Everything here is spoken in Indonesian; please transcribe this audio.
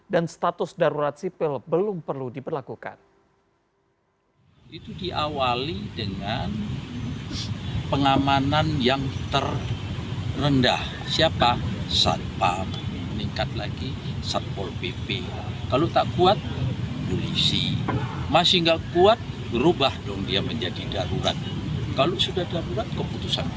dan status darurat sipil belum perlu diperlakukan